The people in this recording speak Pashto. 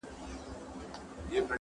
له پاڼو تشه ونه-